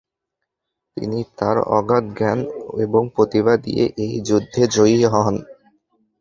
তিনি তার অগাধ জ্ঞান এবং প্রতিভা দিয়ে এই যুদ্ধে জয়ী হন।